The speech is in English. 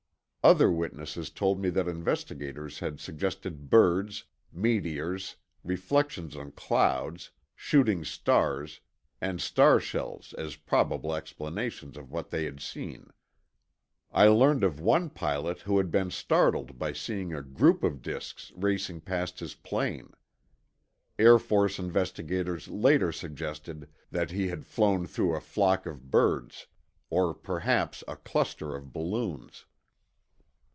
Other witnesses told me that investigators had suggested birds, meteors, reflections on clouds, shooting stars, and starshells as probable explanations of what they had seen. I learned of one pilot who had been startled by seeing a group of disks racing past his plane. Air Force investigators later suggested that he had flown through a flock of birds, or perhaps a cluster of balloons.